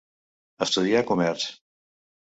Estudià comerç.